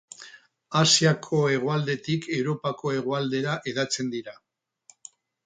Asiako hegoaldetik Europako hegoaldera hedatzen dira.